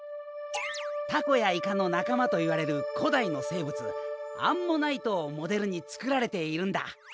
タコやイカの仲間といわれる古代の生物アンモナイトをモデルに作られているんだ。